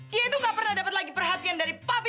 dia itu nggak pernah dapat lagi perhatian dari papi